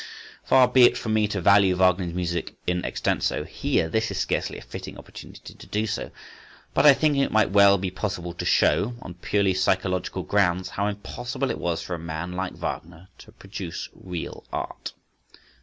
Far be it from me to value Wagner's music in extenso here—this is scarcely a fitting opportunity to do so;—but I think it might well be possible to show, on purely psychological grounds, how impossible it was for a man like Wagner to produce real art.